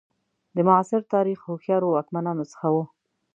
د معاصر تاریخ هوښیارو واکمنانو څخه وو.